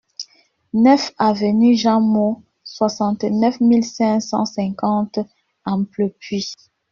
neuf avenue Jean Moos, soixante-neuf mille cinq cent cinquante Amplepuis